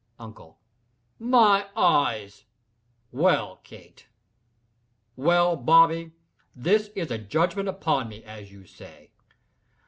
UNCLE. "My eyes!—well, Kate—well, Bobby!—this is a judgment upon me, as you say.